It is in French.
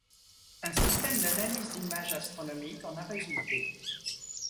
Un système d'analyse d'images astronomiques en a résulté.